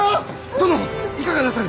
殿いかがなさる！